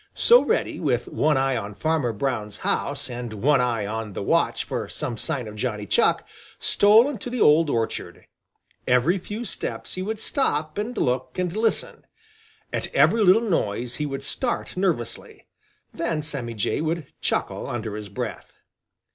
So Reddy, with one eye on Farmer Brown's house and one eye on the watch for some sign of Johnny Chuck, stole into the old orchard. Every few steps he would stop and look and listen. At every little noise he would start nervously. Then Sammy Jay would chuckle under his breath.